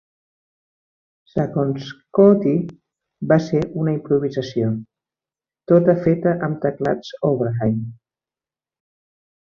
Segons Cauty, va ser una improvisació, tota feta amb teclats Oberheim.